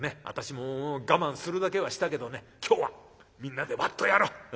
私ももう我慢するだけはしたけどね今日はみんなでワッとやろう。